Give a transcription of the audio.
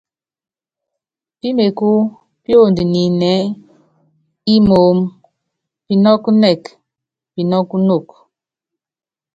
Píméku píond ninɛ nímoóm, pinɔ́k nɛ́k pinɔ́k nok.